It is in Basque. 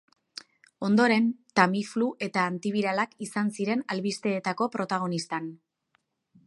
Ondoren, tamiflu eta antibiralak izan ziren albisteetako protagonistan.